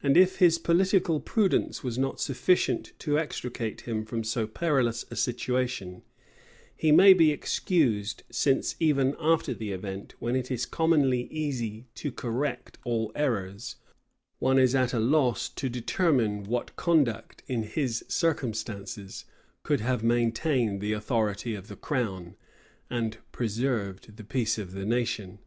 And if his political prudence was not sufficient to extricate him from so perilous a situation, he may be excused; since, even after the event, when it is commonly easy to correct all errors, one is at a loss to determine what conduct, in his circumstances, could have maintained the authority of the crown, and preserved the peace of the nation.